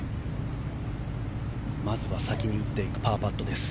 まずは先に打っていくパーパットです。